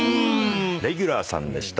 レギュラーさんでした。